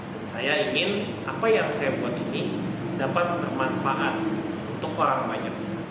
dan saya ingin apa yang saya buat ini dapat bermanfaat untuk orang banyak